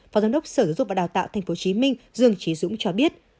phó giám đốc sở dụng và đào tạo tp hcm dương trí dũng cho biết